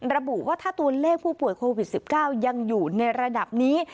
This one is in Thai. ระบุว่าถ้าตัวเลขผู้ป่วยโควิด๑๙ยังอยู่ในระดับนี้